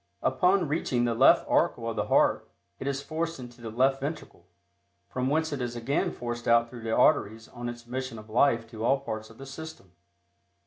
Upon reaching the left auricle of the heart, it is forced into the left ventricle, from whence it is again forced out through the arteries on its mission of life to all parts of the system.